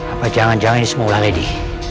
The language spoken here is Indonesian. apa jangan jangan ini semua lah lady